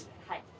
はい。